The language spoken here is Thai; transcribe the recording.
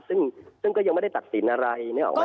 ซึ่งก็ยังไม่ได้ตัดสินอะไร